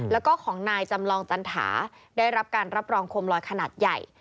แล้วก็ของนายจำลองจันถาได้รับการรับรองโคมลอยขนาดใหญ่